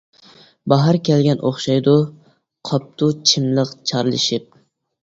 باھار كەلگەن ئوخشايدۇ، قاپتۇ چىملىق چارلىشىپ.